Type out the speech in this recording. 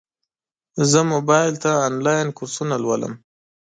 زه موبایل ته انلاین کورسونه لولم.